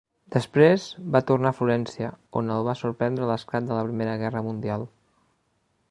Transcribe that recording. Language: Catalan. Després va tornar a Florència, on el va sorprendre l'esclat de la Primera Guerra Mundial.